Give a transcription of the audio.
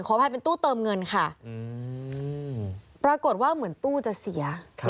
อภัยเป็นตู้เติมเงินค่ะปรากฏว่าเหมือนตู้จะเสีย